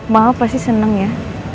maaf pasti seneng ya